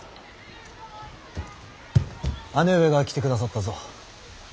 姉上が来てくださったぞ。